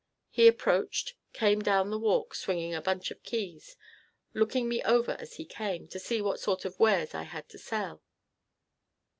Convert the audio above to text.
He approached; came down the walk swinging a bunch of keys, looking me over as he came, to see what sort of wares I had to sell.